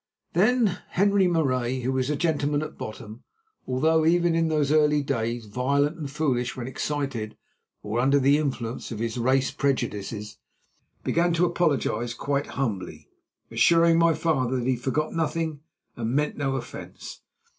Then Henri Marais, who was a gentleman at bottom, although, even in those early days, violent and foolish when excited or under the influence of his race prejudices, began to apologise quite humbly, assuring my father that he forgot nothing and meant no offence.